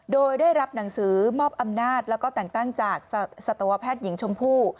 โดยได้รับหนังสือมอบอำนาจแล้วก็แต่งตั้งจากสัตวแพทย์หญิงชมพู่